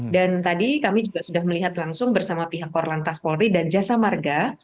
dan tadi kami juga sudah melihat langsung bersama pihak korlantas polri dan jasa marga